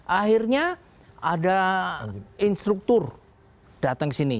akhirnya ada instruktur datang ke sini